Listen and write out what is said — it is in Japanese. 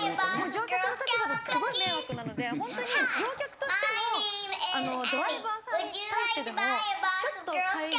乗客の立場だとすごい迷惑なので本当に乗客としてもドライバーさんに対してでもちょっと改善がほしいな。